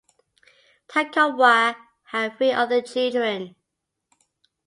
Tacumwah had three other children.